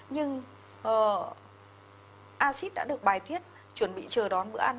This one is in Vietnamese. nhưng acid đã được bài thiết chuẩn bị chờ đón bữa ăn